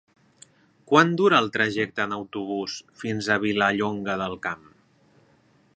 Quant dura el trajecte en autobús fins a Vilallonga del Camp?